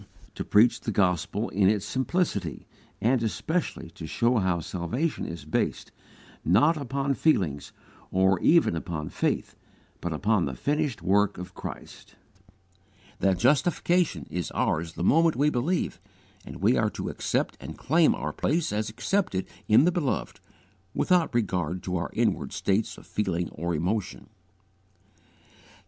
To preach the gospel in its simplicity, and especially to show how salvation is based, not upon feelings or even upon faith, but upon the finished work of Christ; that justification is ours the moment we believe, and we are to accept and claim our place as accepted in the Beloved without regard to our inward states of feeling or emotion.